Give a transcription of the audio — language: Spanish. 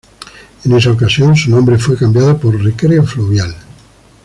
En esa ocasión, su nombre fue cambiado por Recreo Fluvial.